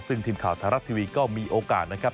ซึ่งทีมข่าวไทยรัฐทีวีก็มีโอกาสนะครับ